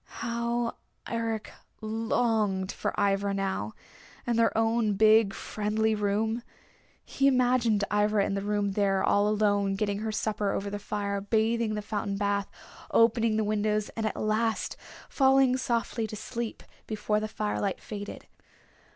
How Eric longed for Ivra now, and their own big friendly room. He imagined Ivra in the room there all alone getting her supper over the fire, bathing in the fountain bath, opening the windows, and at last falling softly to sleep before the firelight faded.